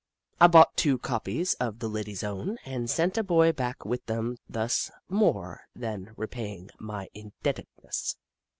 I bought two copies of TJie Ladies Own and sent a boy back with them, thus more than repaying my indebtedness.